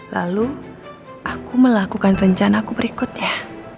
lalu aku melakukan rencana aku berikutnya